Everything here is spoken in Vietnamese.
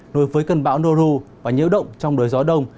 nối với cơn bão noro và nhiễu động trong đời gió đông